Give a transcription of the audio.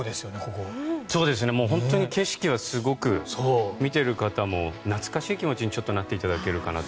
本当に景色がすごくて見ている方も懐かしい気持ちになっていただけるかなと。